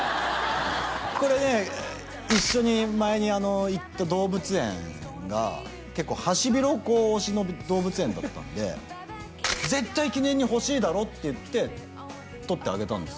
これね一緒に前に行った動物園が結構ハシビロコウ推しの動物園だったんで絶対記念に欲しいだろって言って取ってあげたんです